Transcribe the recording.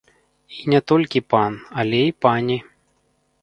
І не толькі пан, але і пані.